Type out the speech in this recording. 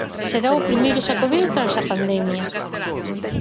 Será o primeiro Xacobeo tras a pandemia.